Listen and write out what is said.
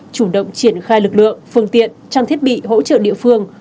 chủ động triển khai lực lượng phương tiện trang thiết bị hỗ trợ địa phương